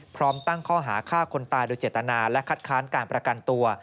พร้อมตั้งข้อหาฆ่าคนตายโดยเจตนาและคัดค้านการประกันตัว